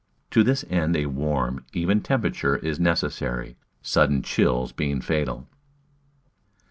To this end a warm, even temperature is necessary, sudden chills being fatal.